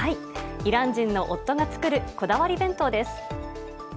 イラン人の夫が作るこだわり弁当です。